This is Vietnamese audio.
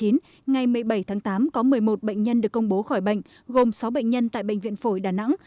ngày một mươi bảy tháng tám có một mươi một bệnh nhân được công bố khỏi bệnh gồm sáu bệnh nhân tại bệnh viện phổi đà nẵng